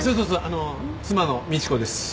あの妻の倫子です。